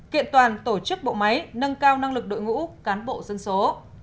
kiện toàn tổ chức bộ máy nâng cao năng lực đội ngũ cán bộ dân số